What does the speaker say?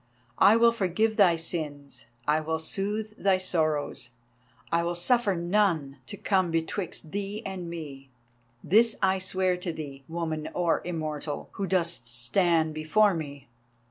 I will forgive thy sins, I will soothe thy sorrows, I will suffer none to come betwixt thee and me. This I swear to thee, Woman or Immortal, who dost stand before me.